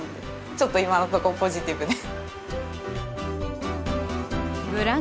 ちょっと今のとこポジティブで。